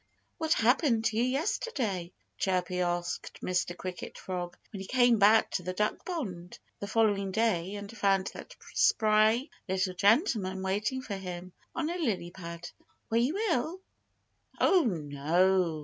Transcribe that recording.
"What happened to you yesterday?" Chirpy asked Mr. Cricket Frog, when he came back to the duck pond the following day and found that spry little gentleman waiting for him on a lily pad. "Were you ill?" "Oh, no!"